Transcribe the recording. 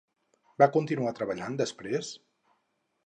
Va continuar treballant després?